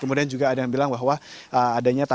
kemudian juga ada yang bilang bahwa adanya